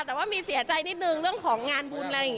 แต่ว่ามีเสียใจนิดนึงเรื่องของงานบุญอะไรอย่างนี้